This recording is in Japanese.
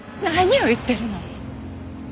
何を言ってるの？